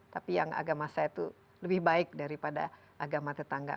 tapi yang agama saya itu lebih baik daripada agama tetangga